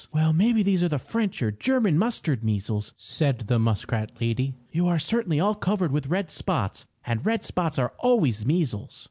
"Well, maybe these are the French or German mustard measles," said the muskrat lady. "You are certainly all covered with red spots, and red spots are always measles."